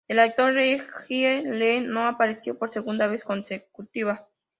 El actor Reggie Lee no apareció por segunda vez consecutiva.